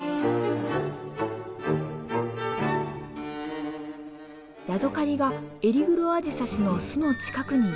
ヤドカリがエリグロアジサシの巣の近くにやって来ました。